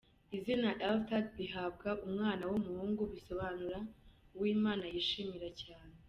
Izina ‘Eltad’rihabwa umwana w’umuhungu bisobanura uw’Imana yishimira cyane.